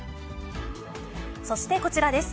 そしてこちらです。